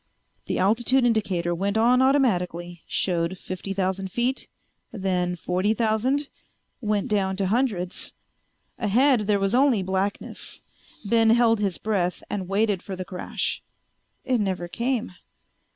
The altitude indicator went on automatically, showed fifty thousand feet, then forty thousand, went down to hundreds. Ahead there was only blackness. Ben held his breath and waited for the crash. It never came.